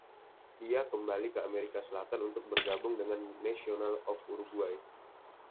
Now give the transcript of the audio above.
Ia kembali ke Amerika Selatan untuk bergabung dengan Nacional of Uruguay.